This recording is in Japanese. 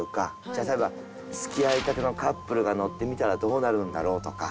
じゃあ例えば付き合いたてのカップルが乗ってみたらどうなるんだろう？とか。